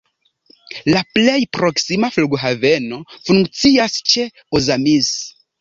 La plej proksima flughaveno funkcias ĉe Ozamiz.